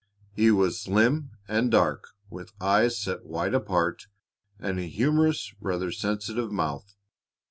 He was slim and dark, with eyes set wide apart, and a humorous, rather sensitive mouth.